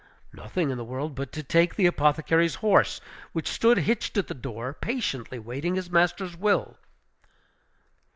Nothing in the world but to take the apothecary's horse, which stood hitched at the door, patiently waiting his master's will.